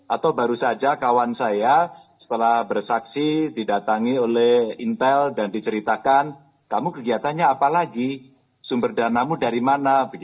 atau baru saja kawan saya setelah bersaksi didatangi oleh intel dan diceritakan kamu kegiatannya apa lagi sumber danamu dari mana